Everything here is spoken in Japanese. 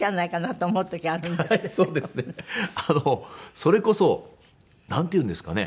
それこそなんていうんですかね。